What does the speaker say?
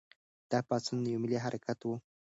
دا پاڅون یو ملي حرکت و.